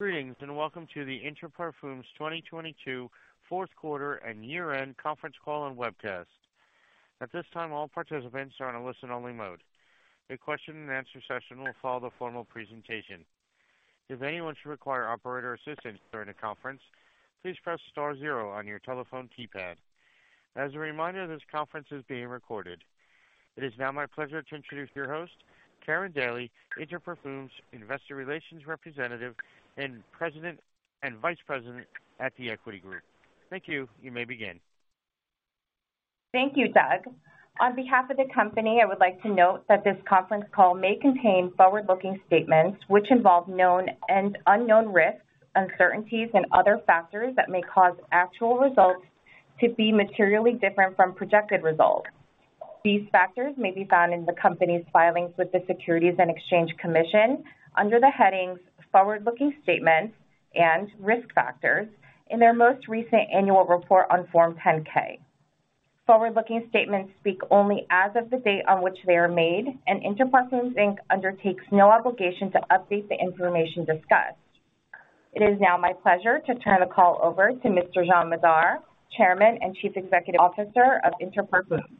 Greetings, welcome to the Interparfums 2022 fourth quarter and year-end conference call and webcast. At this time, all participants are on a listen-only mode. A question and answer session will follow the formal presentation. If anyone should require operator assistance during the conference, please press star zero on your telephone keypad. As a reminder, this conference is being recorded. It is now my pleasure to introduce your host, Karin Daly, Interparfums investor relations representative and President and Vice President at The Equity Group. Thank you. You may begin. Thank you, Doug. On behalf of the company, I would like to note that this conference call may contain forward-looking statements which involve known and unknown risks, uncertainties and other factors that may cause actual results to be materially different from projected results. These factors may be found in the company's filings with the Securities and Exchange Commission under the headings Forward-looking Statements and Risk Factors in their most recent annual report on Form 10-K. Forward-looking statements speak only as of the date on which they are made, Interparfums, Inc undertakes no obligation to update the information discussed. It is now my pleasure to turn the call over to Mr. Jean Madar, Chairman and Chief Executive Officer of Interparfums.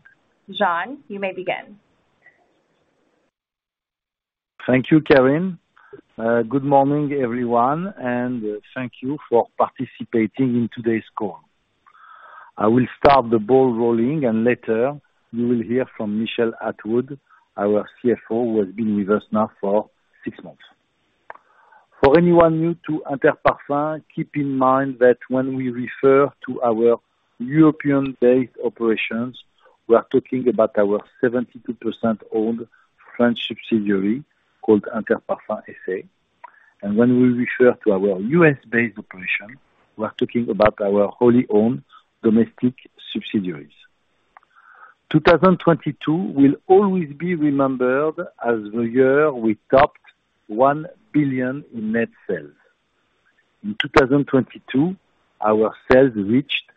Jean, you may begin. Thank you, Karin. Good morning, everyone, thank you for participating in today's call. I will start the ball rolling. Later you will hear from Michel Atwood, our CFO, who has been with us now for six months. For anyone new to Interparfums, keep in mind that when we refer to our European-based operations, we are talking about our 72% owned French subsidiary called Interparfums SA. When we refer to our U.S.-based operation, we are talking about our wholly owned domestic subsidiaries. 2022 will always be remembered as the year we topped $1 billion in net sales. In 2022, our sales reached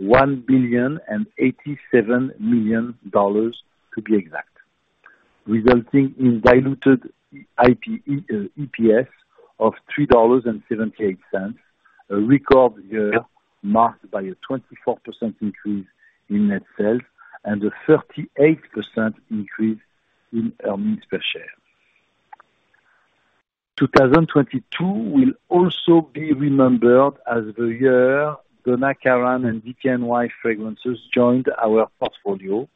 $1,087 million to be exact, resulting in diluted IP EPS of $3.78, a record year marked by a 24% increase in net sales and a 38% increase in earnings per share. 2022 will also be remembered as the year Donna Karan and DKNY Fragrances joined our portfolio,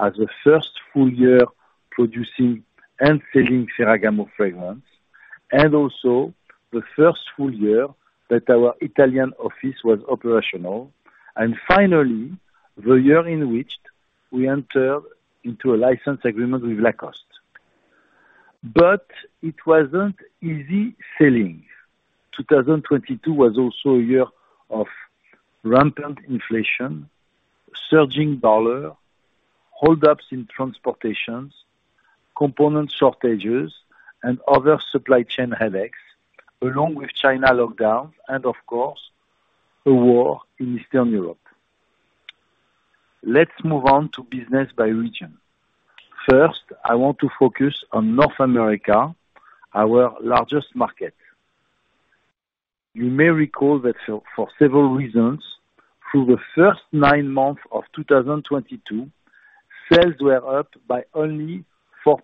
as the first full-year producing and selling Ferragamo fragrance, and also the first full-year that our Italian office was operational. Finally, the year in which we entered into a license agreement with Lacoste. It wasn't easy sailing. 2022 was also a year of rampant inflation, surging dollar, holdups in transportations, component shortages and other supply chain headaches, along with China lockdowns and of course, the war in Eastern Europe. Let's move on to business by region. First, I want to focus on North America, our largest market. You may recall that for several reasons, through the first nine months of 2022, sales were up by only 4%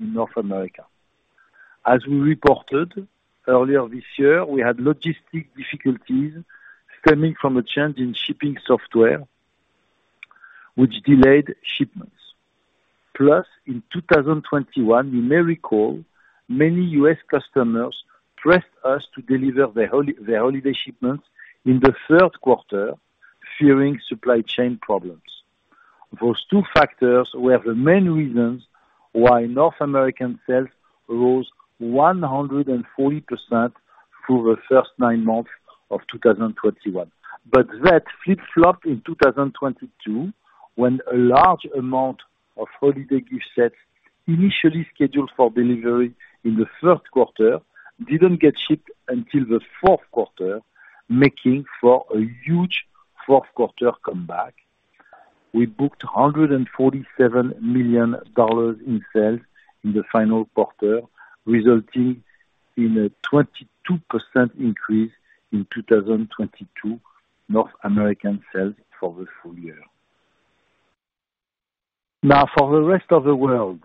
in North America. As we reported earlier this year, we had logistic difficulties stemming from a change in shipping software which delayed shipments. Plus, in 2021, you may recall many U.S. customers pressed us to deliver their holiday shipments in the third quarter, fearing supply chain problems. Those two factors were the main reasons why North American sales rose 140% through the first nine months of 2021. That flip-flopped in 2022, when a large amount of holiday gift sets initially scheduled for delivery in the third quarter didn't get shipped until the fourth quarter, making for a huge fourth quarter comeback. We booked $147 million in sales in the final quarter, resulting in a 22% increase in 2022 North American sales for the full-year. For the rest of the world,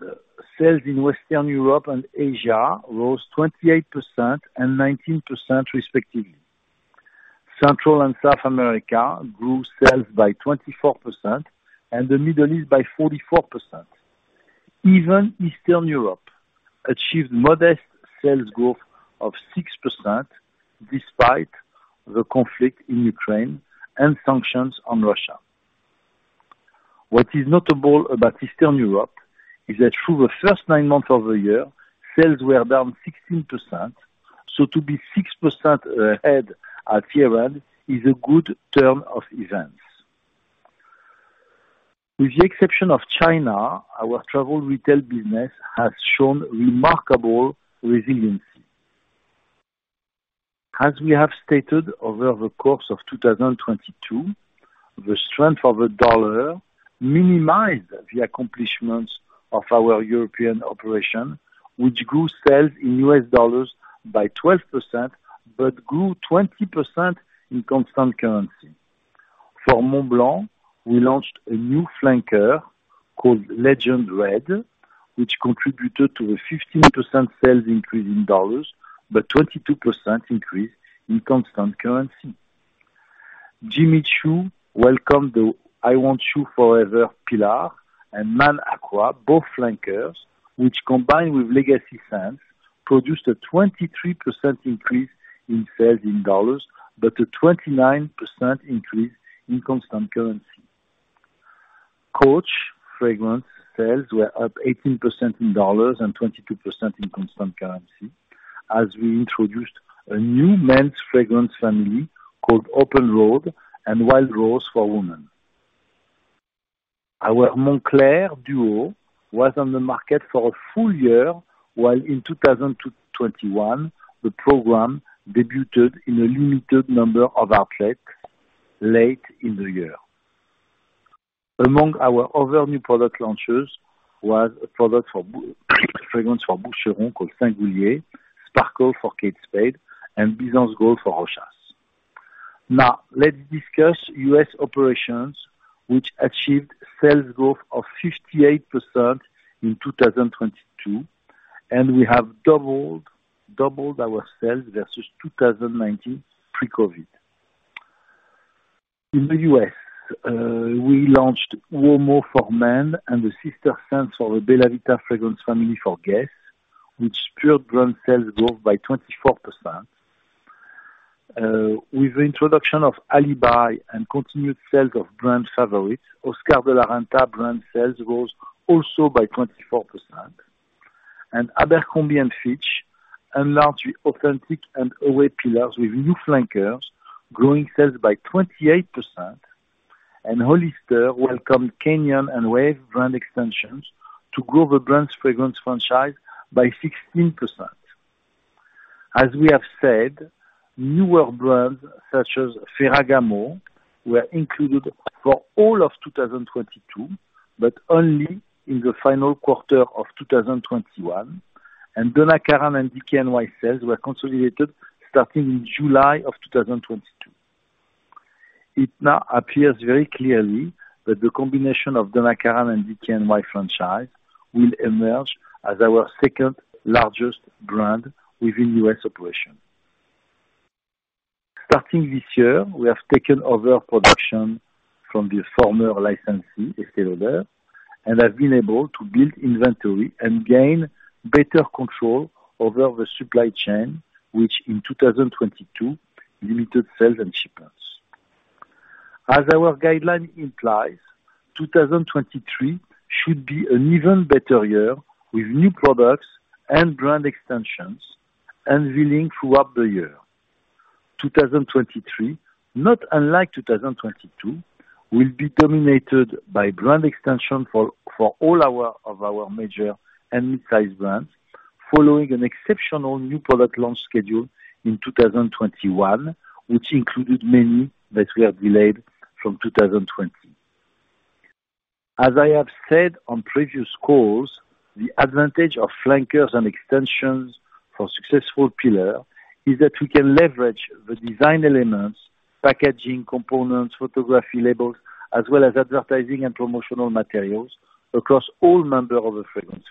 sales in Western Europe and Asia rose 28% and 19%, respectively. Central and South America grew sales by 24% and the Middle East by 44%. Even Eastern Europe achieved modest sales growth of 6%, despite the conflict in Ukraine and sanctions on Russia. What is notable about Eastern Europe is that through the first nine months of the year, sales were down 16%. To be 6% ahead at year-end is a good turn of events. With the exception of China, our travel retail business has shown remarkable resiliency. As we have stated over the course of 2022. The strength of a dollar minimized the accomplishments of our European operation, which grew sales in U.S. dollars by 12%, but grew 20% in constant currency. For Montblanc, we launched a new flanker called Legend Red, which contributed to a 15% sales increase in dollars, but 22% increase in constant currency. Jimmy Choo welcomed the I Want Choo Forever pillar and Man Aqua, both flankers, which combined with legacy scents, produced a 23% increase in sales in dollars, but a 29% increase in constant currency. Coach fragrance sales were up 18% in dollars and 22% in constant currency as we introduced a new men's fragrance family called Open Road and Wild Rose for Women. Our Moncler duo was on the market for a full-year, while in 2021, the program debuted in a limited number of outlets late in the year. Among our other new product launches was a fragrance for Boucheron called Singulier, Sparkle for Kate Spade, and Byzance Gold for Rochas. Let's discuss U.S. operations, which achieved sales growth of 58% in 2022, and we have doubled our sales versus 2019 pre-COVID. In the U.S., we launched Uomo for Men and the sister scents for the Bella Vita fragrance family for GUESS, which spurred brand sales growth by 24%. With the introduction of Alibi and continued sales of brand favorites, Oscar de la Renta brand sales grows also by 24%. Abercrombie & Fitch enlarged the Authentic and Away pillars with new flankers, growing sales by 28%. Hollister welcomed Canyon and Wave brand extensions to grow the brand's fragrance franchise by 16%. As we have said, newer brands, such as Ferragamo, were included for all of 2022, but only in the final quarter of 2021. Donna Karan and DKNY sales were consolidated starting in July 2022. It now appears very clearly that the combination of Donna Karan and DKNY franchise will emerge as our second-largest brand within U.S. operations. Starting this year, we have taken over production from the former licensee, Estée Lauder, and have been able to build inventory and gain better control over the supply chain, which in 2022, limited sales and shipments. As our guideline implies, 2023 should be an even better year with new products and brand extensions unveiling throughout the year. 2023, not unlike 2022, will be dominated by brand extension for all of our major and mid-size brands, following an exceptional new product launch schedule in 2021, which included many that we have delayed from 2020. As I have said on previous calls, the advantage of flankers and extensions for successful pillar is that we can leverage the design elements, packaging, components, photography labels, as well as advertising and promotional materials across all members of the fragrance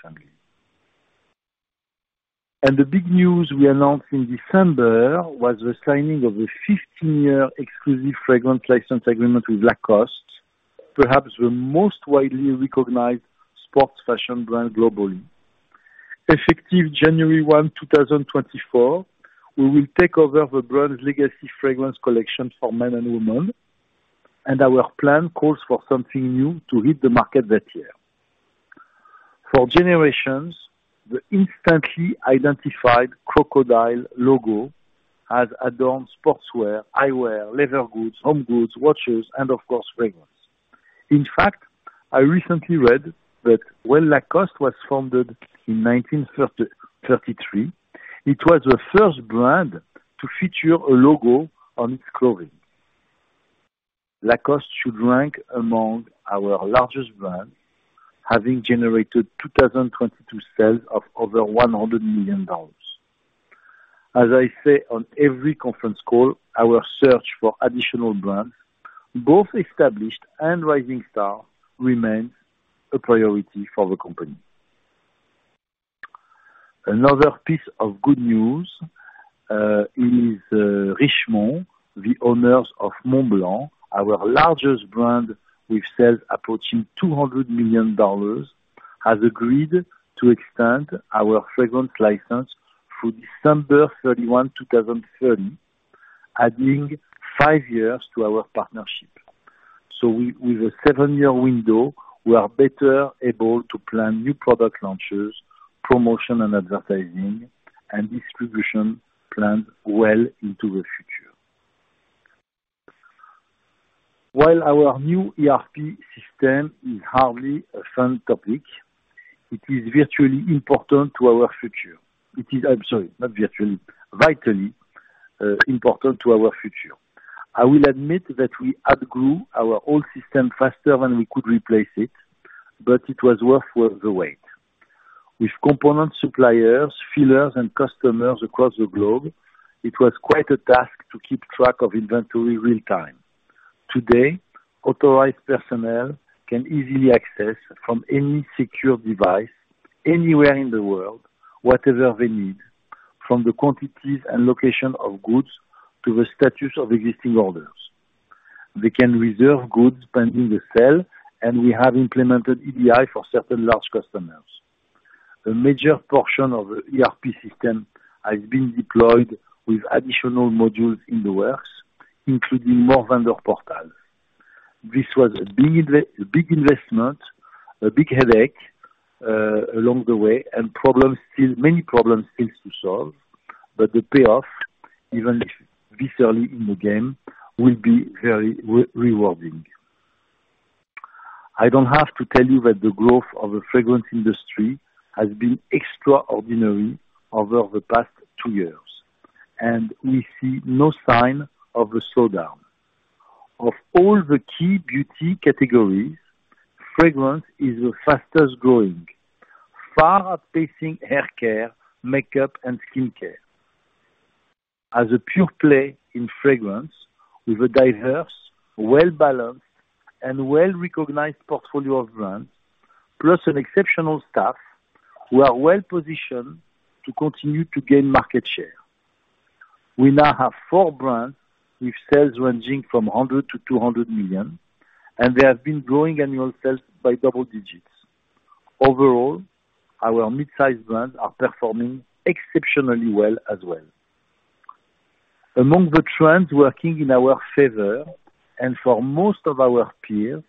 family. The big news we announced in December was the signing of a 15-year exclusive fragrance license agreement with Lacoste, perhaps the most widely recognized sports fashion brand globally. Effective January 1, 2024, we will take over the brand's legacy fragrance collection for men and women. Our plan calls for something new to hit the market that year. For generations, the instantly identified crocodile logo has adorned sportswear, eyewear, leather goods, home goods, watches, and of course, fragrance. In fact, I recently read that when Lacoste was founded in 1933, it was the first brand to feature a logo on its clothing. Lacoste should rank among our largest brands, having generated 2022 sales of over $100 million. As I say on every conference call, our search for additional brands, both established and rising star, remains a priority for the company. Another piece of good news is Richemont, the owners of Montblanc, our largest brand with sales approaching $200 million, has agreed to extend our fragrance license through December 31, 2030, adding five years to our partnership. With a seven-year window, we are better able to plan new product launches, promotion and advertising, and distribution plans well into the future. While our new ERP system is hardly a fun topic. It is virtually important to our future. It is, I'm sorry, not virtually, vitally important to our future. I will admit that we outgrew our old system faster than we could replace it, but it was worth the wait. With component suppliers, fillers, and customers across the globe, it was quite a task to keep track of inventory real-time. Today, authorized personnel can easily access from any secure device, anywhere in the world, whatever they need, from the quantities and location of goods to the status of existing orders. They can reserve goods pending the sale. We have implemented EDI for certain large customers. A major portion of the ERP system has been deployed with additional modules in the works, including more vendor portals. This was a big investment, a big headache along the way. Many problems still to solve, the payoff, even if this early in the game, will be very rewarding. I don't have to tell you that the growth of the fragrance industry has been extraordinary over the past two years. We see no sign of a slowdown. Of all the key beauty categories, fragrance is the fastest-growing, far outpacing hair care, makeup, and skincare. As a pure play in fragrance with a diverse, well-balanced, and well-recognized portfolio of brands, plus an exceptional staff, we are well-positioned to continue to gain market share. We now have four brands with sales ranging from $100 million to $200 million, and they have been growing annual sales by double digits. Overall, our midsize brands are performing exceptionally well as well. Among the trends working in our favor, and for most of our peers,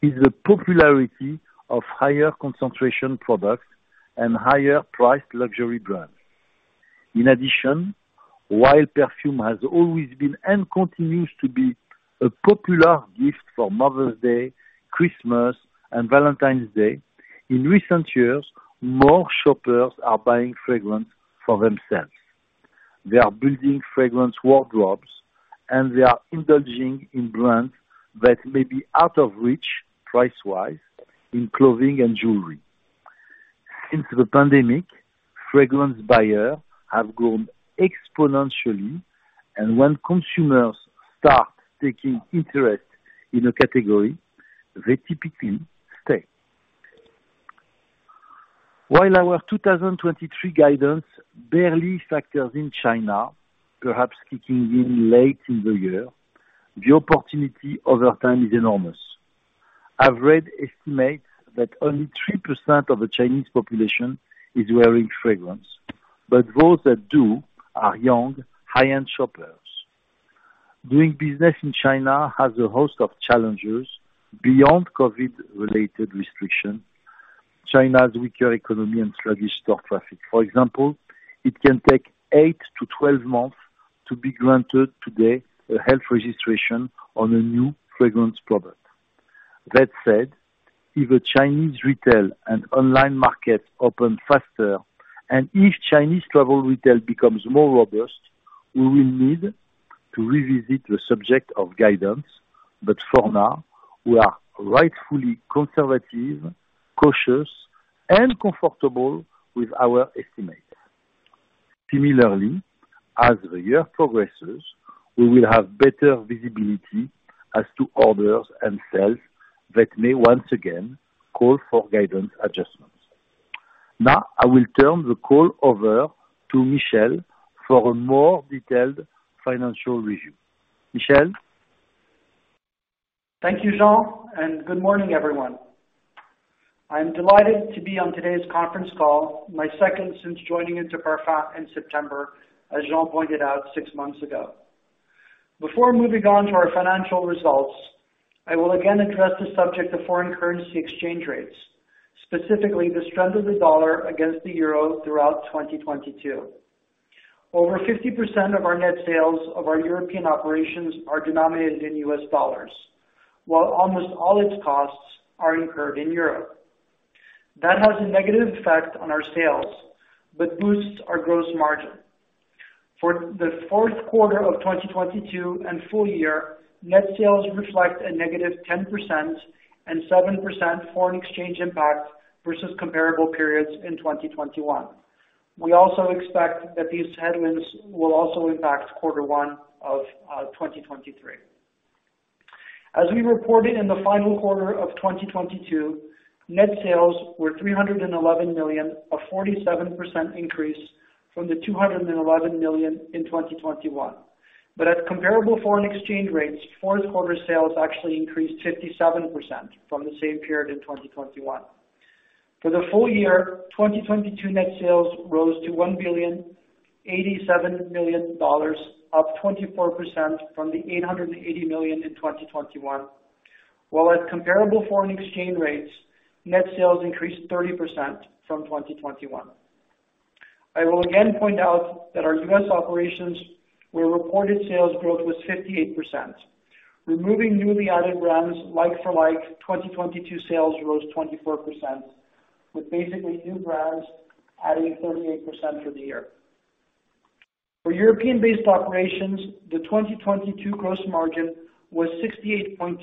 is the popularity of higher concentration products and higher-priced luxury brands. In addition, while perfume has always been, and continues to be, a popular gift for Mother's Day, Christmas, and Valentine's Day, in recent years, more shoppers are buying fragrance for themselves. They are building fragrance wardrobes, and they are indulging in brands that may be out of reach price-wise in clothing and jewelry. Since the pandemic, fragrance buyers have grown exponentially. When consumers start taking interest in a category, they typically stay. While our 2023 guidance barely factors in China, perhaps kicking in late in the year, the opportunity over time is enormous. I've read estimates that only 3% of the Chinese population is wearing fragrance. Those that do are young, high-end shoppers. Doing business in China has a host of challenges beyond COVID-related restrictions, China's weaker economy, and sluggish store traffic. For example, it can take eight to 12 months to be granted today a health registration on a new fragrance product. That said, if the Chinese retail and online markets open faster. If Chinese travel retail becomes more robust, we will need to revisit the subject of guidance. For now, we are rightfully conservative, cautious, and comfortable with our estimates. Similarly, as the year progresses, we will have better visibility as to orders and sales that may once again call for guidance adjustments. I will turn the call over to Michel for a more detailed financial review. Michel? Thank you, Jean. Good morning, everyone. I'm delighted to be on today's conference call, my second since joining Inter Parfums in September, as Jean pointed out six months ago. Before moving on to our financial results, I will again address the subject of foreign currency exchange rates, specifically the strength of the dollar against the euro throughout 2022. Over 50% of our net sales of our European operations are denominated in U.S. dollars, while almost all its costs are incurred in Europe. That has a negative effect on our sales but boosts our gross margin. For the fourth quarter of 2022 and full-year, net sales reflect a -10% and 7% foreign exchange impact versus comparable periods in 2021. We also expect that these headwinds will also impact quarter one of 2023. As we reported in the final quarter of 2022, net sales were $311 million, a 47% increase from the $211 million in 2021. At comparable foreign exchange rates, fourth quarter sales actually increased 57% from the same period in 2021. For the full-year, 2022 net sales rose to $1,087 million, up 24% from the $880 million in 2021. While at comparable foreign exchange rates, net sales increased 30% from 2021. I will again point out that our U.S. operations where reported sales growth was 58%. Removing newly added brands like for like, 2022 sales rose 24%, with basically new brands adding 38% for the year. For European-based operations, the 2022 gross margin was 68.2%,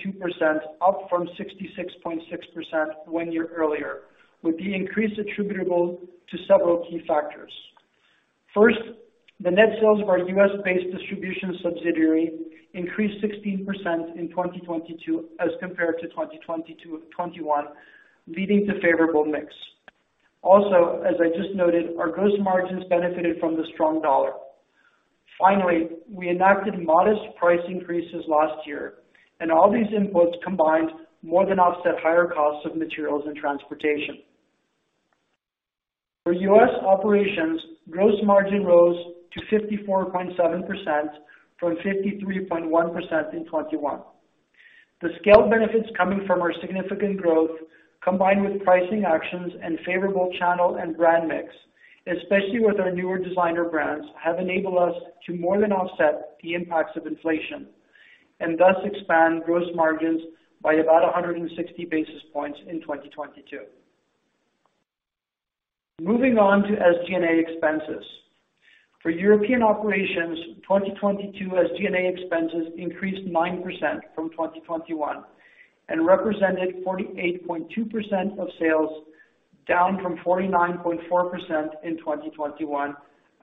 up from 66.6% one year earlier, with the increase attributable to several key factors. First, the net sales of our U.S.-based distribution subsidiary increased 16% in 2022 as compared to 2022 of 2021, leading to favorable mix. Also, as I just noted, our gross margins benefited from the strong dollar. Finally, we enacted modest price increases last year, and all these inputs combined more than offset higher costs of materials and transportation. For U.S. operations, gross margin rose to 54.7% from 53.1% in 2021. The scale benefits coming from our significant growth, combined with pricing actions and favorable channel and brand mix, especially with our newer designer brands, have enabled us to more than offset the impacts of inflation and thus expand gross margins by about 160 basis points in 2022. Moving on to SG&A expenses. For European operations, 2022 SG&A expenses increased 9% from 2021 and represented 48.2% of sales, down from 49.4% in 2021,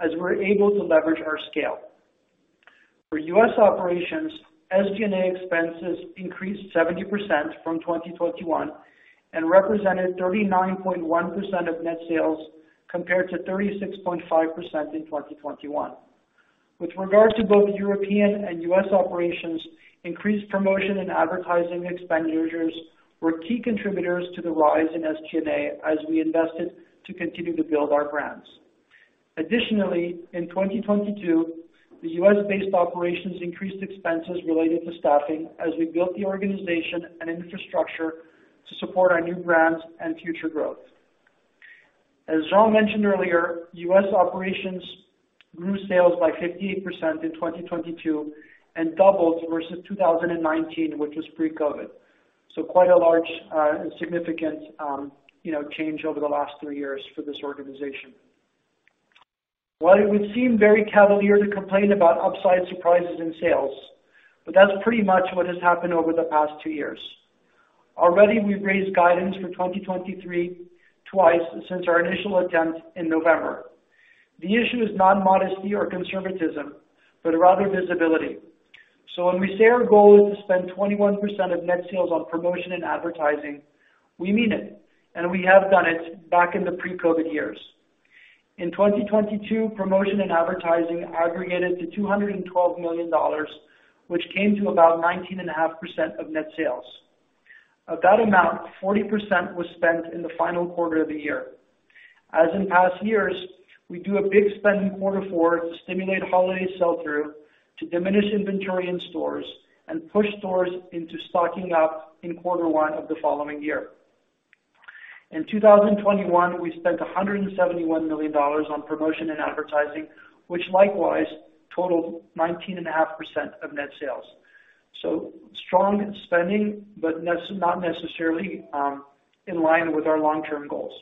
as we're able to leverage our scale. For U.S. operations, SG&A expenses increased 70% from 2021 and represented 39.1% of net sales, compared to 36.5% in 2021. With regards to both European and U.S. operations, increased promotion and advertising expenditures were key contributors to the rise in SG&A as we invested to continue to build our brands. Additionally, in 2022, the U.S.-based operations increased expenses related to staffing as we built the organization and infrastructure to support our new brands and future growth. As Jean mentioned earlier, U.S. operations grew sales by 58% in 2022 and doubled versus 2019, which was pre-COVID. Quite a large, and significant, you know, change over the last three years for this organization. While it would seem very cavalier to complain about upside surprises in sales, but that's pretty much what has happened over the past two years. Already, we've raised guidance for 2023 twice since our initial attempt in November. The issue is not modesty or conservatism, but rather visibility. When we say our goal is to spend 21% of net sales on promotion and advertising, we mean it, and we have done it back in the pre-COVID years. In 2022, promotion and advertising aggregated to $212 million, which came to about 19.5% of net sales. Of that amount, 40% was spent in the final quarter of the year. As in past years, we do a big spend in quarter four to stimulate holiday sell-through, to diminish inventory in stores, and push stores into stocking up in quarter one of the following year. In 2021, we spent $171 million on promotion and advertising, which likewise totaled 19.5% of net sales. Strong spending, but not necessarily in line with our long-term goals.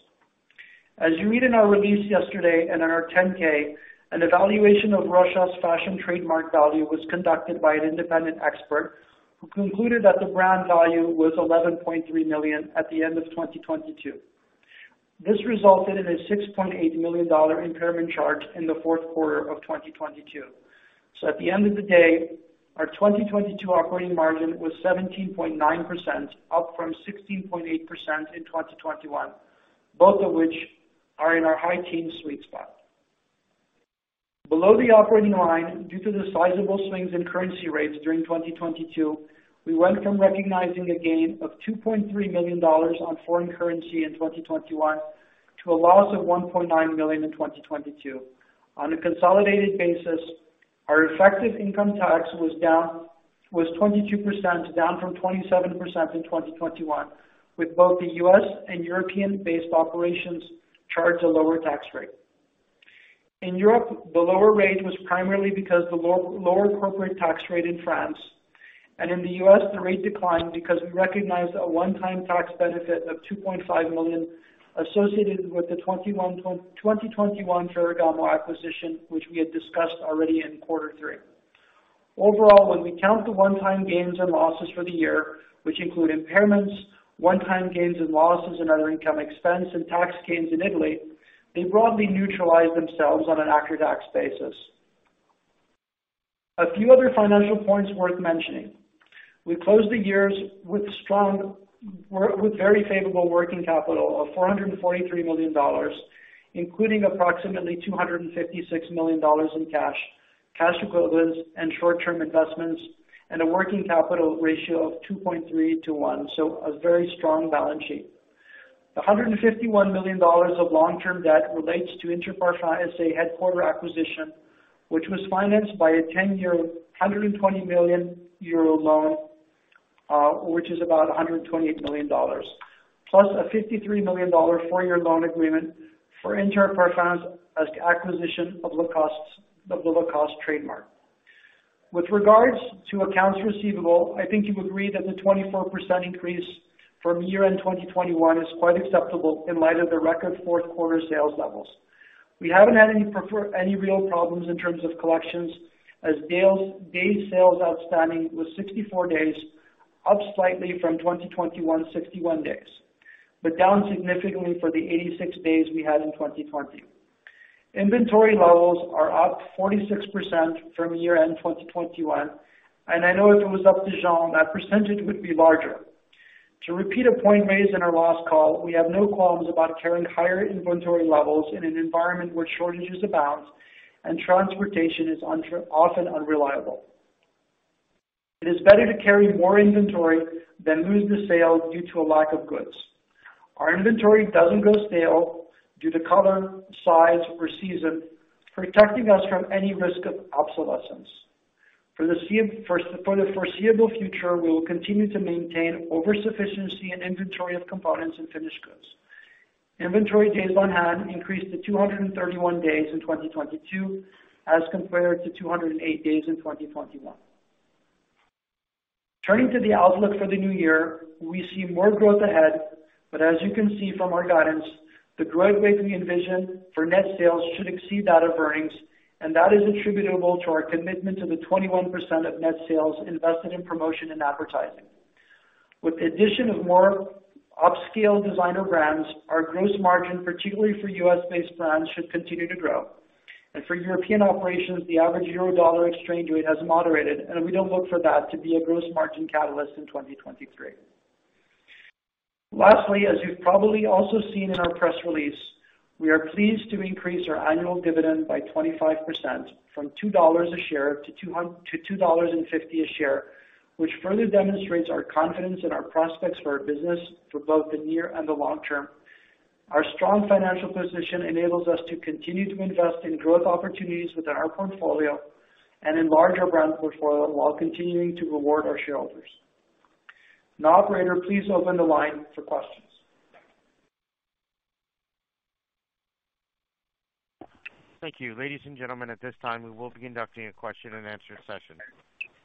As you read in our release yesterday and in our 10-K, an evaluation of Rochas fashion trademark value was conducted by an independent expert who concluded that the brand value was $11.3 million at the end of 2022. This resulted in a $6.8 million impairment charge in the fourth quarter of 2022. At the end of the day, our 2022 operating margin was 17.9%, up from 16.8% in 2021, both of which are in our high teen sweet spot. Below the operating line, due to the sizable swings in currency rates during 2022, we went from recognizing a gain of $2.3 million on foreign currency in 2021 to a loss of $1.9 million in 2022. On a consolidated basis, our effective income tax was 22%, down from 27% in 2021, with both the U.S. and European-based operations charged a lower tax rate. In Europe, the lower rate was primarily because the lower corporate tax rate in France. In the U.S., the rate declined because we recognized a one-time tax benefit of $2.5 million associated with the 2021 Ferragamo acquisition, which we had discussed already in quarter three. Overall, when we count the one-time gains and losses for the year, which include impairments, one-time gains and losses, and other income expense and tax gains in Italy, they broadly neutralize themselves on an after-tax basis. A few other financial points worth mentioning. We closed the years with strong. With very favorable working capital of $443 million, including approximately $256 million in cash equivalents, and short-term investments, and a working capital ratio of 2.3 to one. A very strong balance sheet. $151 million of long-term debt relates to Interparfums SA headquarter acquisition, which was financed by a 10-year 120 million euro loan, which is about $128 million, plus a $53 million four-year loan agreement for Inter Parfums acquisition of the Lacoste trademark. With regards to accounts receivable, I think you agree that the 24% increase from year-end 2021 is quite acceptable in light of the record fourth quarter sales levels. We haven't had any real problems in terms of collections as days sales outstanding was 64 days, up slightly from 2021 61 days, but down significantly for the 86 days we had in 2020. Inventory levels are up 46% from year-end 2021, and I know if it was up to Jean, that percentage would be larger. To repeat a point made in our last call, we have no qualms about carrying higher inventory levels in an environment where shortages abound and transportation is often unreliable. It is better to carry more inventory than lose the sale due to a lack of goods. Our inventory doesn't go stale due to color, size or season, protecting us from any risk of obsolescence. For the foreseeable future, we will continue to maintain over-sufficiency in inventory of components and finished goods. Inventory days on hand increased to 231 days in 2022, as compared to 208 days in 2021. Turning to the outlook for the new year, we see more growth ahead, but as you can see from our guidance, the growth rate we envision for net sales should exceed that of earnings, and that is attributable to our commitment to the 21% of net sales invested in promotion and advertising. With the addition of more upscale designer brands, our gross margin, particularly for U.S.-based brands, should continue to grow. For European operations, the average euro-dollar exchange rate has moderated, and we don't look for that to be a gross margin catalyst in 2023. Lastly, as you've probably also seen in our press release, we are pleased to increase our annual dividend by 25% from $2 a share to $2.50 a share, which further demonstrates our confidence in our prospects for our business for both the near and the long term. Our strong financial position enables us to continue to invest in growth opportunities within our portfolio and enlarge our brand portfolio while continuing to reward our shareholders. Operator, please open the line for questions. Thank you. Ladies and gentlemen, at this time, we will be conducting a question and answer session.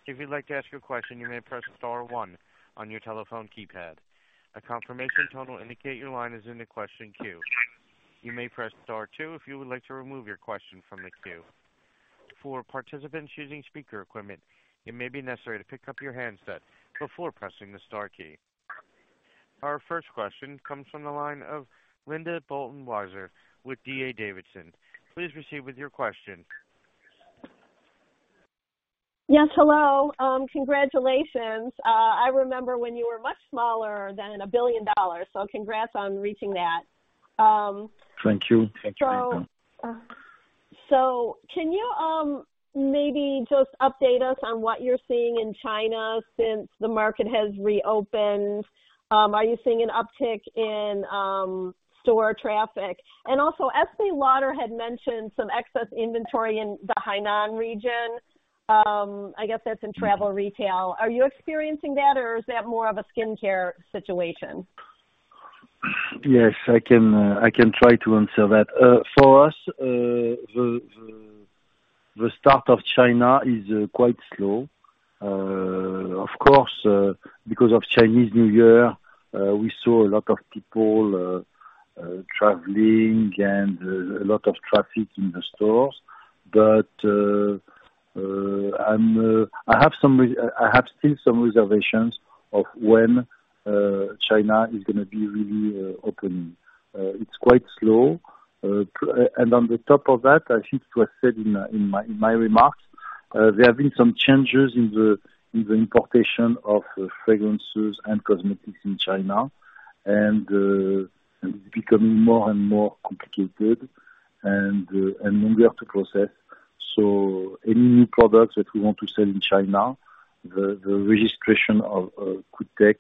If you'd like to ask a question, you may press star one on your telephone keypad. A confirmation tone will indicate your line is in the question queue. You may press star two if you would like to remove your question from the queue. For participants using speaker equipment, it may be necessary to pick up your handset before pressing the star key. Our first question comes from the line of Linda Bolton Weiser with D.A. Davidson. Please proceed with your question. Yes, hello. Congratulations. I remember when you were much smaller than $1 billion. Congrats on reaching that. Thank you. Can you maybe just update us on what you're seeing in China since the market has reopened? Are you seeing an uptick in store traffic? Also, Estée Lauder had mentioned some excess inventory in the Hainan region. I guess that's in travel retail. Are you experiencing that, or is that more of a skincare situation? Yes, I can, I can try to answer that. For us, the start of China is quite slow. Of course, because of Chinese New Year, we saw a lot of people traveling and a lot of traffic in the stores. I'm. I have still some reservations of when China is gonna be really open. It's quite slow. On the top of that, I think it was said in my, in my remarks, there have been some changes in the importation of fragrances and cosmetics in China, and it's becoming more and more complicated and longer to process. Any new products that we want to sell in China, the registration of, could take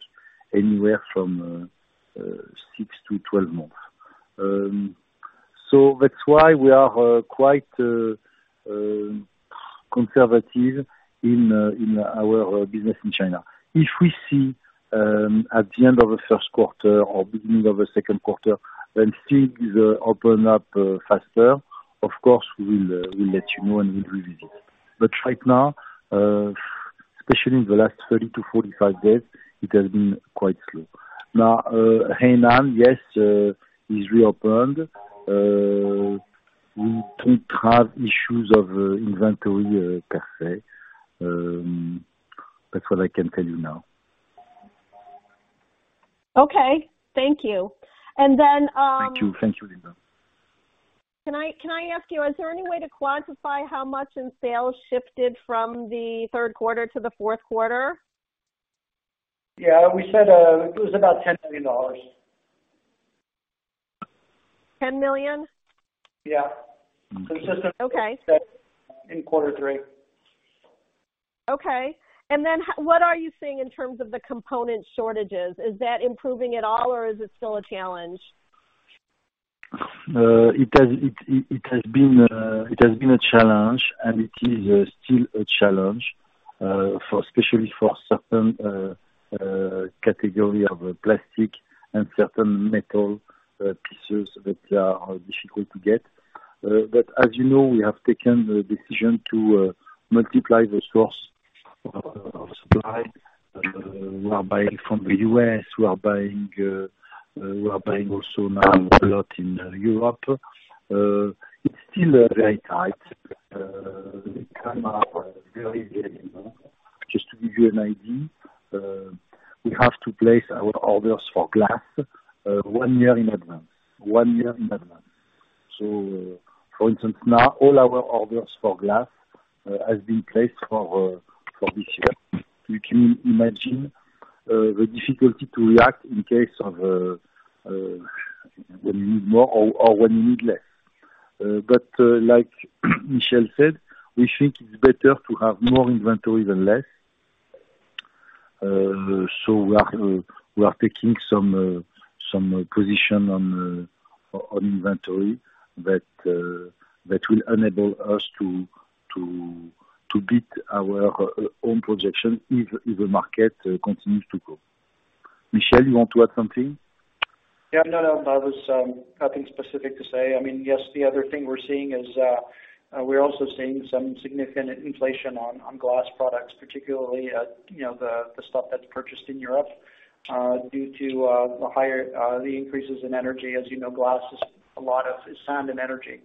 anywhere from six to 12 months. That's why we are quite conservative in our business in China. If we see at the end of the first quarter or beginning of the second quarter, things open up faster, of course, we will let you know, and we'll revisit. Right now, especially in the last 30-45 days, it has been quite slow. Hainan, yes, is reopened. We don't have issues of inventory per se. That's what I can tell you now. Okay, thank you. Thank you. Thank you, Linda. Can I ask you, is there any way to quantify how much in sales shifted from the third quarter to the fourth quarter? Yeah, we said, it was about $10 million. $10 million? Yeah. Okay. In quarter three. Okay. What are you seeing in terms of the component shortages? Is that improving at all, or is it still a challenge? It has been a challenge and it is still a challenge for especially for certain category of plastic and certain metal pieces that are difficult to get. But as you know, we have taken the decision to multiply the source of supply. We are buying from the U.S., we are buying, we are buying also now a lot in Europe. It's still very tight. We come up very, very long. Just to give you an idea, we have to place our orders for glass one year in advance. One year in advance. For instance, now all our orders for glass has been placed for for this year. You can imagine the difficulty to react in case of when you need more or when you need less. Like Michel said, we think it's better to have more inventory than less. We are taking some position on inventory that will enable us to beat our own projection if the market continues to grow. Michel, you want to add something? Yeah. No, no. I was, nothing specific to say. I mean, yes, the other thing we're seeing is, we're also seeing some significant inflation on glass products, particularly at, you know, the stuff that's purchased in Europe, due to, the higher, the increases in energy. As you know, glass is a lot of sand and energy.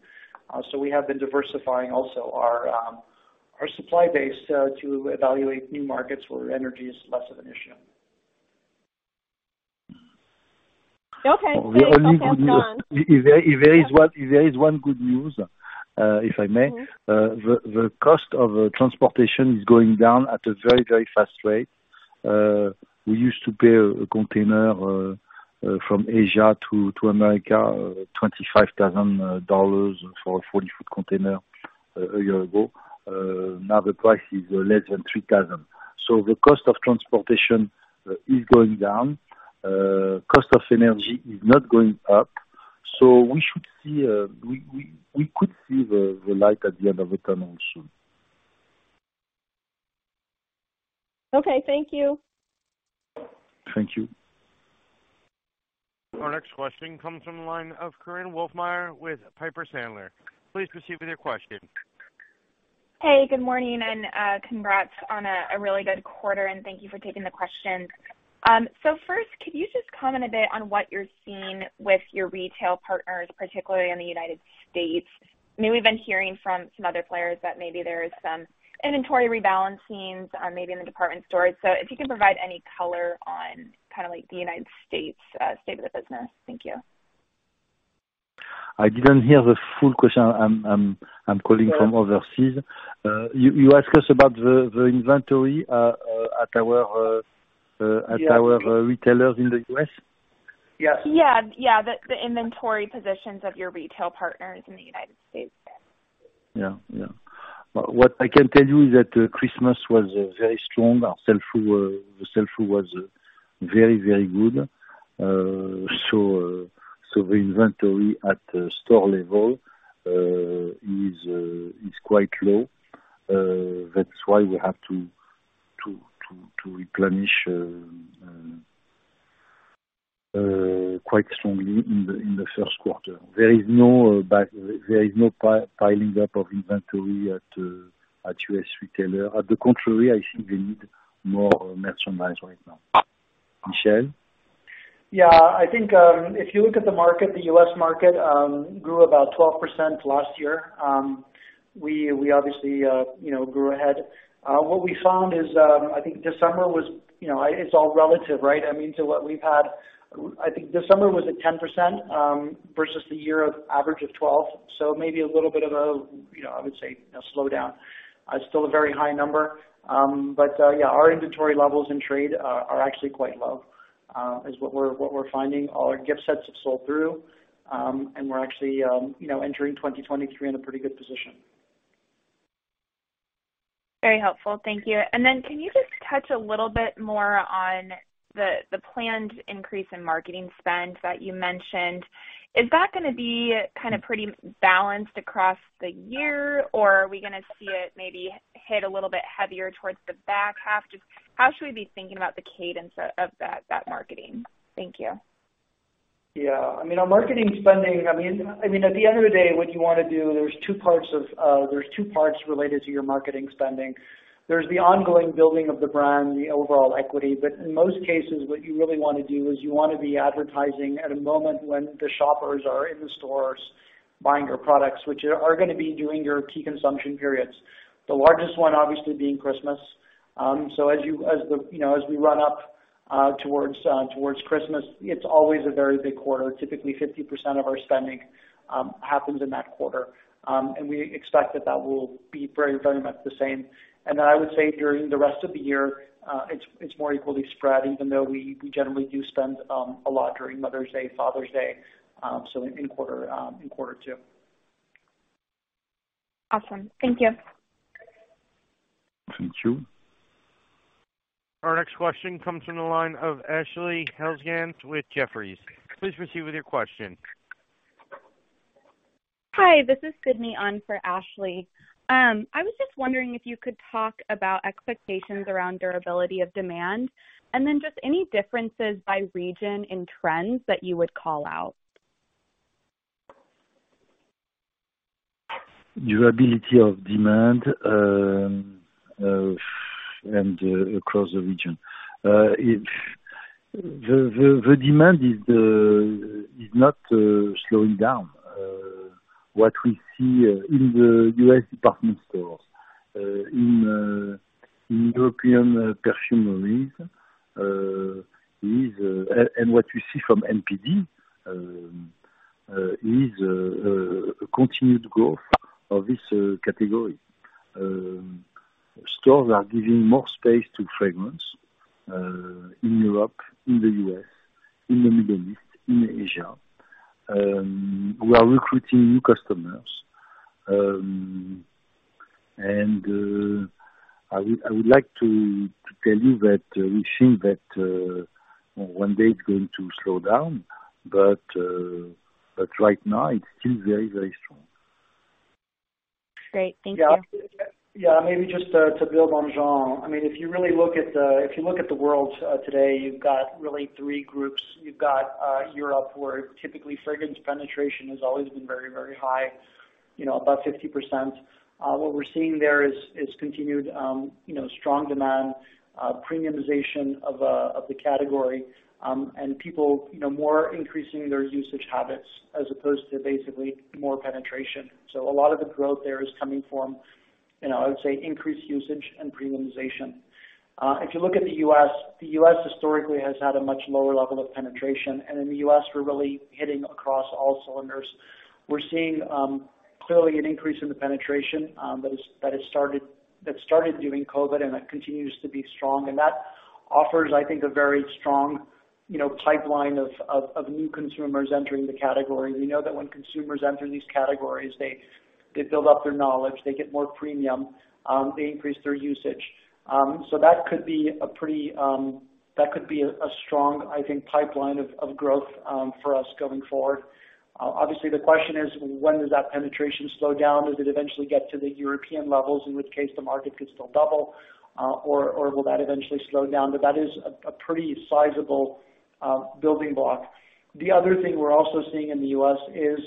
We have been diversifying also our supply base, to evaluate new markets where energy is less of an issue. Okay. I'm done. If there is one. Yeah. If there is one good news, if I may. The cost of transportation is going down at a very, very fast rate. We used to pay a container from Asia to America $25,000 for a 40-foot container a year ago. Now the price is less than $3,000. The cost of transportation is going down. Cost of energy is not going up. We should see, we could see the light at the end of the tunnel soon. Okay, thank you. Thank you. Our next question comes from the line of Korinne Wolfmeyer with Piper Sandler. Please proceed with your question. Hey, good morning and congrats on a really good quarter, and thank you for taking the questions. First, could you just comment a bit on what you're seeing with your retail partners, particularly in the United States? I mean, we've been hearing from some other players that maybe there is some inventory rebalancing, maybe in the department stores. If you can provide any color on kinda like the United States state of the business. Thank you. I didn't hear the full question. I'm calling from overseas. You asked us about the inventory at our. Yes. At our retailers in the U.S.? Yes. Yeah. Yeah. The inventory positions of your retail partners in the United States. Yeah. Yeah. What I can tell you is that, Christmas was very strong. Our sell-through, the sell-through was very, very good. The inventory at the store level is quite low. That's why we have to replenish quite strongly in the first quarter. There is no piling up of inventory at a U.S. retailer. At the contrary, I think they need more merchandise right now. Michel? Yeah. I think, if you look at the market, the U.S. market, grew about 12% last year. We, we obviously, you know, grew ahead. What we found is, I think December was, you know, it's all relative, right? I mean, to what we've had. I think December was at 10%, versus the year of average of 12%. Maybe a little bit of a, you know, I would say a slowdown. It's still a very high number. Yeah, our inventory levels in trade are actually quite low, is what we're finding. All our gift sets have sold through. We're actually, you know, entering 2023 in a pretty good position. Very helpful. Thank you. Can you just touch a little bit more on the planned increase in marketing spend that you mentioned? Is that gonna be kinda pretty balanced across the year, or are we gonna see it maybe hit a little bit heavier towards the back half? Just how should we be thinking about the cadence of that marketing? Thank you. I mean, our marketing spending, I mean, at the end of the day, what you wanna do. There's two parts of, there's two parts related to your marketing spending. There's the ongoing building of the brand, the overall equity. In most cases, what you really wanna do is you wanna be advertising at a moment when the shoppers are in the stores buying your products, which are gonna be during your key consumption periods. The largest one obviously being Christmas. As you, as the, you know, as we run up towards Christmas, it's always a very big quarter. Typically, 50% of our spending happens in that quarter. We expect that that will be very, very much the same. I would say during the rest of the year, it's more equally spread, even though we generally do spend a lot during Mother's Day, Father's Day, so in quarter two. Awesome. Thank you. Thank you. Our next question comes from the line of Ashley Helgans with Jefferies. Please proceed with your question. Hi, this is Sydney on for Ashley. I was just wondering if you could talk about expectations around durability of demand, just any differences by region in trends that you would call out. Durability of demand across the region. The demand is not slowing down. What we see in the U.S. in department stores, in European perfumeries, is and what we see from NPD is a continued growth of this category. Stores are giving more space to fragrance in Europe, in the U.S., in the Middle East, in Asia. We are recruiting new customers. I would like to tell you that we feel that one day it's going to slow down, but right now it's still very, very strong. Great. Thank you. Yeah. Yeah. Maybe just to build on Jean. I mean, if you really look at, if you look at the world today, you've got really three groups. You've got Europe, where typically fragrance penetration has always been very, very high, you know, about 50%. What we're seeing there is continued strong demand, premiumization of the category, and people, you know, more increasing their usage habits as opposed to basically more penetration. So a lot of the growth there is coming from, you know, I would say increased usage and premiumization. If you look at the U.S., the U.S. historically has had a much lower level of penetration. And in the U.S., we're really hitting across all cylinders. We're seeing clearly an increase in the penetration that started during COVID, and that continues to be strong. That offers, I think, a very strong, you know, pipeline of new consumers entering the category. We know that when consumers enter these categories, they build up their knowledge, they get more premium, they increase their usage. That could be a pretty, that could be a strong, I think, pipeline of growth for us going forward. Obviously the question is when does that penetration slow down? Does it eventually get to the European levels, in which case the market could still double, or will that eventually slow down? That is a pretty sizable building block. The other thing we're also seeing in the U.S. is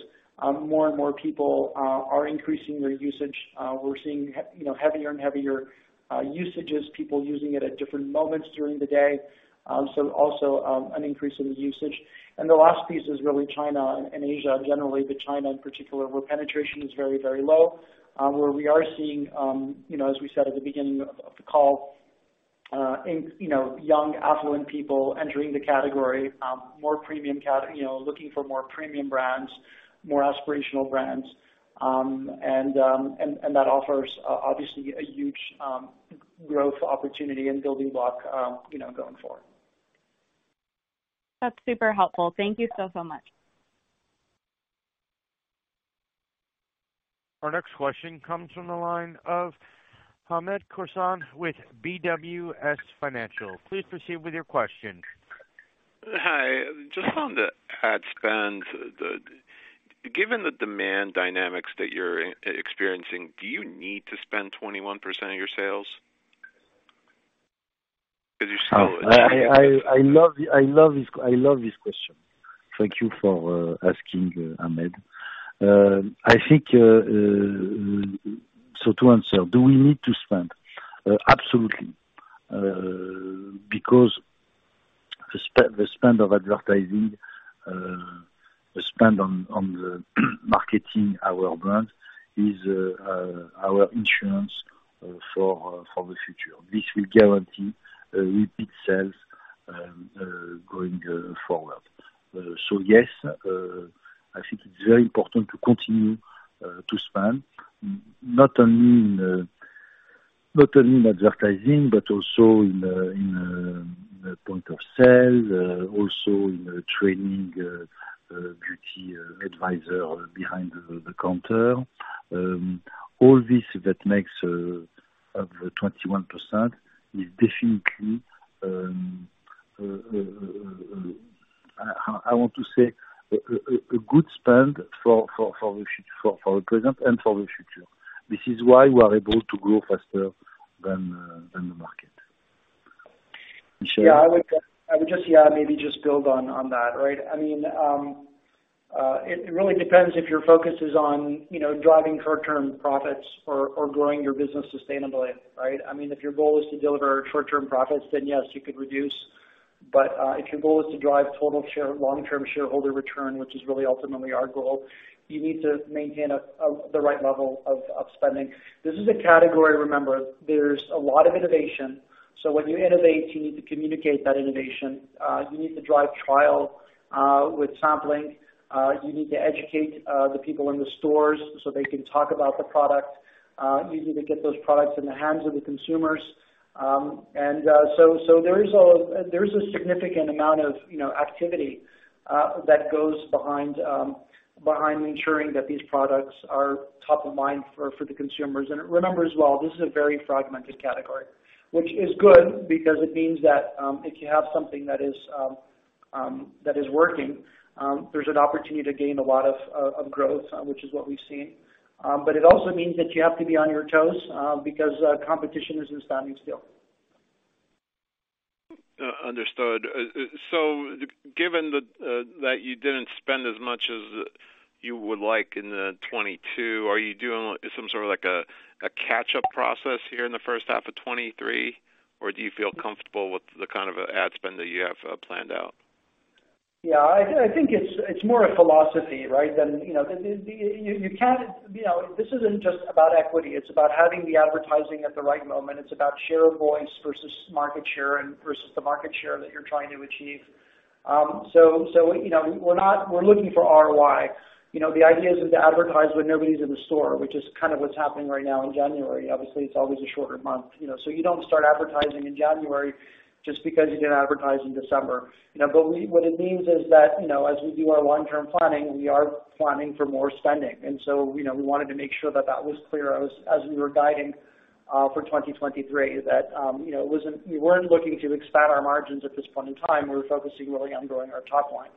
more and more people are increasing their usage. We're seeing, you know, heavier and heavier usages, people using it at different moments during the day. Also an increase in the usage. The last piece is really China and Asia generally, but China in particular, where penetration is very, very low. Where we are seeing, you know, as we said at the beginning of the call, in, you know, young affluent people entering the category, more premium, you know, looking for more premium brands, more aspirational brands. And that offers obviously a huge growth opportunity and building block, you know, going forward. That's super helpful. Thank you so much. Our next question comes from the line of Hamed Khorsand with BWS Financial. Please proceed with your question. Hi. Just on the ad spend, Given the demand dynamics that you're experiencing, do you need to spend 21% of your sales? 'Cause you're still. Oh, I love this, I love this question. Thank you for asking Hamed. I think so to answer, do we need to spend? Absolutely. Because the spend of advertising, the spend on the marketing our brand is our insurance for the future. This will guarantee repeat sales going forward. Yes, I think it's very important to continue to spend not only in advertising but also in the point of sale, also in training beauty advisor behind the counter. all this that makes up the 21% is definitely a good spend for the present and for the future. This is why we are able to grow faster than the market. Michel. I would just maybe just build on that, right? I mean, it really depends if your focus is on, you know, driving short-term profits or growing your business sustainably, right? I mean, if your goal is to deliver short-term profits, then yes, you could reduce. If your goal is to drive long-term shareholder return, which is really ultimately our goal, you need to maintain a right level of spending. This is a category, remember, there's a lot of innovation, so when you innovate, you need to communicate that innovation. You need to drive trial with sampling. You need to educate the people in the stores so they can talk about the product. You need to get those products in the hands of the consumers. There is a significant amount of, you know, activity that goes behind ensuring that these products are top of mind for the consumers. Remember as well, this is a very fragmented category, which is good because it means that if you have something that is working, there's an opportunity to gain a lot of growth, which is what we've seen. It also means that you have to be on your toes because competition isn't standing still. Understood. Given that you didn't spend as much as you would like in 2022, are you doing some sort of like a catch-up process here in the first half of 2023? Or do you feel comfortable with the kind of ad spend that you have, planned out? Yeah, I think it's more a philosophy, right? Than, you know, you can't, you know, this isn't just about equity, it's about having the advertising at the right moment. It's about share of voice versus market share and versus the market share that you're trying to achieve. You know, we're looking for ROI. You know, the idea isn't to advertise when nobody's in the store, which is kind of what's happening right now in January. Obviously, it's always a shorter month, you know. You don't start advertising in January just because you didn't advertise in December, you know? What it means is that, you know, as we do our long-term planning, we are planning for more spending. you know, we wanted to make sure that that was clear as we were guiding for 2023, that, you know, we weren't looking to expand our margins at this point in time. We're focusing really on growing our top line.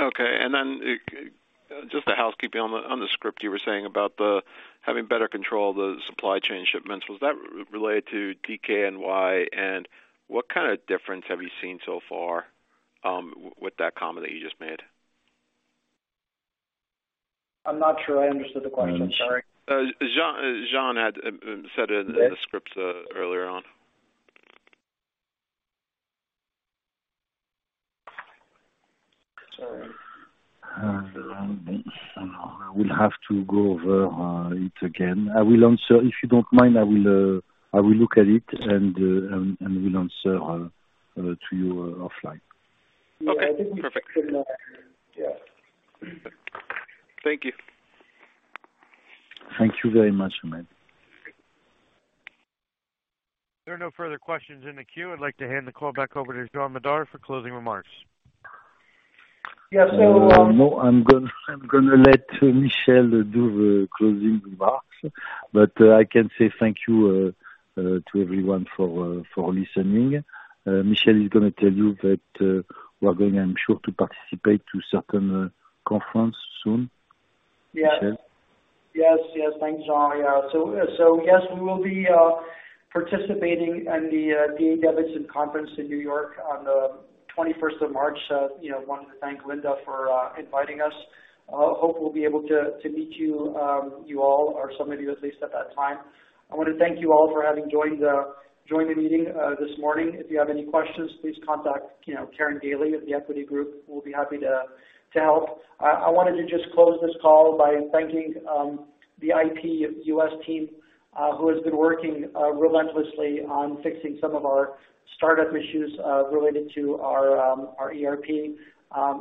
Okay. Just a housekeeping on the, on the script you were saying about the having better control of the supply chain shipments. Was that related to DKNY? What kind of difference have you seen so far, with that comment that you just made? I'm not sure I understood the question, sorry. Jean had said it in the script earlier on. Sorry. I will have to go over it again. If you don't mind, I will look at it and will answer to you offline. Okay. Perfect. Yeah. Thank you. Thank you very much, Hamed. There are no further questions in the queue. I'd like to hand the call back over to Jean Madar for closing remarks. Yeah. I'm gonna let Michel do the closing remarks. I can say thank you to everyone for listening. Michel is gonna tell you that we're going, I'm sure, to participate to certain conference soon. Yes. Michel? Yes. Yes. Thanks, Jean. Yeah. Yes, we will be participating in the D.A. Davidson conference in New York on the 21st of March. You know, wanted to thank Linda for inviting us. Hope we'll be able to meet you all or some of you at least at that time. I wanna thank you all for having joined the meeting this morning. If you have any questions, please contact, you know, Karin Daly at The Equity Group. We'll be happy to help. I wanted to just close this call by thanking the IP U.S. team, who has been working relentlessly on fixing some of our startup issues, related to our ERP.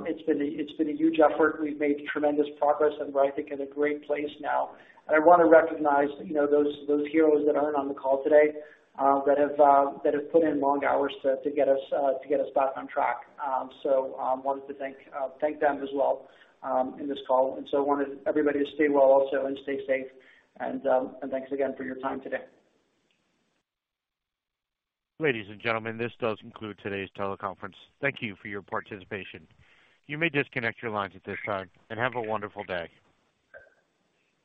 It's been a huge effort. We've made tremendous progress and we're, I think, in a great place now. I wanna recognize, you know, those heroes that aren't on the call today, that have put in long hours to get us back on track. Wanted to thank them as well in this call. I wanted everybody to stay well also and stay safe. Thanks again for your time today. Ladies and gentlemen, this does conclude today's teleconference. Thank you for your participation. You may disconnect your lines at this time, and have a wonderful day.